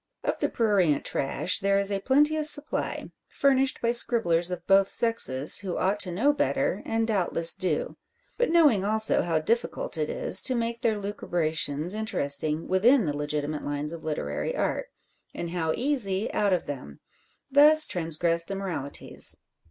Of the prurient trash there is a plenteous supply, furnished by scribblers of both sexes, who ought to know better, and doubtless do; but knowing also how difficult it is to make their lucubrations interesting within the legitimate lines of literary art, and how easy out of them, thus transgress the moralities.